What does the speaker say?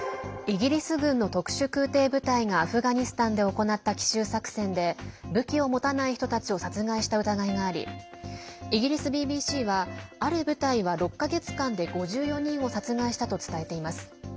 イギリス軍の特殊空てい部隊がアフガニスタンで行った奇襲作戦で武器を持たない人たちを殺害した疑いがありイギリスＢＢＣはある部隊は６か月間で５４人を殺害したと伝えています。